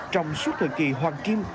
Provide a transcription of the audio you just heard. trong suốt thời kỳ hoàng kim